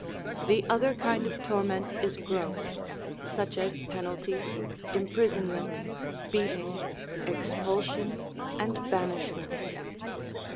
The other kind of torment is gross : such as penalties, imprisonment, beating, expulsion, and banishment.